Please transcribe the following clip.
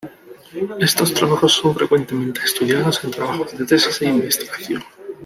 Estos trabajos son frecuentemente estudiados en trabajos de tesis e investigación.